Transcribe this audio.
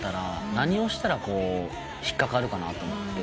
何をしたら引っ掛かるかなと思って。